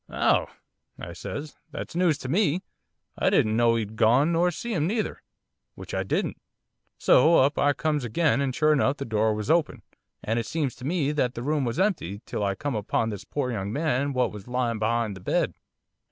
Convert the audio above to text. "Oh," I says, "that's news to me, I didn't know 'e'd gone, nor see him neither " which I didn't. So, up I comes again, and, sure enough, the door was open, and it seems to me that the room was empty, till I come upon this poor young man what was lying be'ind the bed.